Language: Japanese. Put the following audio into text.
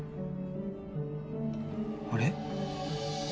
あれ？